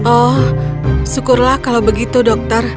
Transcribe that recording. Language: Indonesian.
oh syukurlah kalau begitu dokter